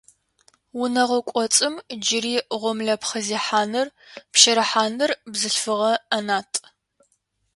Унэгъо кӏоцӏым джыри гъомлэпхъэ зехьаныр, пщэрыхьаныр бзылъфыгъэ ӏэнатӏ.